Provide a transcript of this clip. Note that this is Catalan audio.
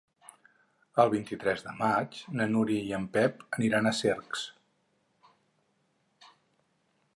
El vint-i-tres de maig na Núria i en Pep aniran a Cercs.